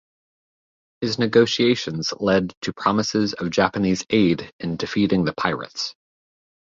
His negotiations led to promises of Japanese aid in defeating the pirates.